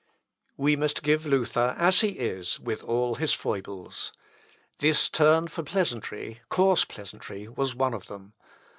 We must give Luther as he is with all his foibles. This turn for pleasantry, coarse pleasantry, was one of them.